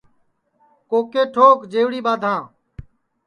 کوکے ٹھوک جئوڑی بادھاں